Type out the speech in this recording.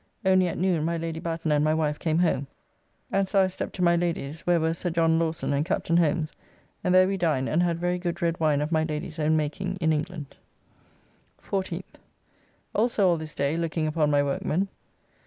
Only at noon my Lady Batten and my wife came home, and so I stepped to my Lady's, where were Sir John Lawson and Captain Holmes, and there we dined and had very good red wine of my Lady's own making in England. 14th. Also all this day looking upon my workmen.